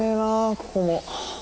ここも。